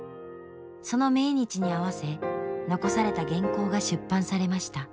その命日に合わせ残された原稿が出版されました。